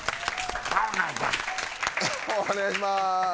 お願いします。